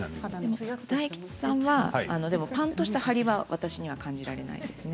大吉さんはパンとした張りみたいなのは感じられないですね。